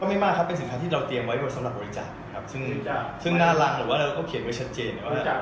ไม่มากครับเป็นสินค้าที่เราเตรียมไว้สำหรับบริจาคนะครับซึ่งน่ารักหรือว่าเราก็เขียนไว้ชัดเจนว่า